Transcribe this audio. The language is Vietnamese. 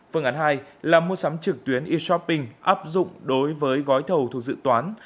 phương án hai là mua sắm trực tuyến e shopping áp dụng đối với gói thầu thuộc dự toán